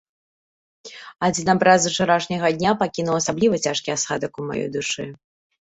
Адзін абраз з учарашняга дня пакінуў асабліва цяжкі асадак у маёй душы.